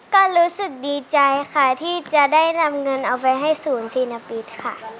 ก็รู้สึกดีใจค่ะที่จะได้นำเงินเอาไปให้ศูนย์ชินปิดค่ะ